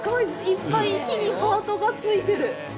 いっぱい木にハートがついてる！